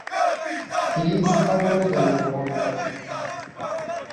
তিনি ইস্তাম্বুলে জন্মগ্রহণ করেন।